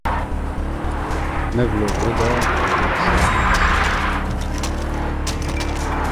نبل الردى يقصدن قصدك